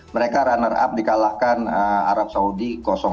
mereka runner up dikalahkan arab saudi dua